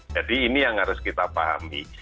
jadi ini yang harus kita pahami